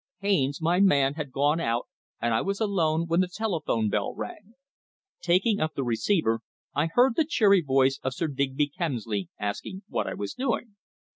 Haines, my man, had gone out, and I was alone, when the telephone bell rang. Taking up the receiver I heard the cheery voice of Sir Digby Kemsley asking what I was doing.